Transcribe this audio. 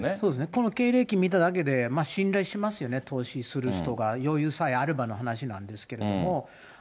この経歴見ただけで、信頼しますよね、投資する人が、余裕さえあればの話なんですけれども。